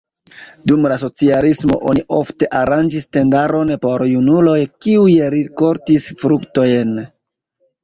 Dum la socialismo oni ofte aranĝis tendaron por junuloj, kiuj rikoltis fruktojn.